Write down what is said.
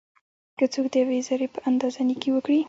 که څوک د یوې ذري په اندازه نيکي وکړي؛